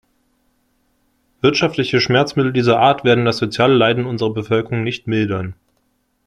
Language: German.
Wirtschaftliche Schmerzmittel dieser Art werden das soziale Leiden unserer Bevölkerung nicht mildern.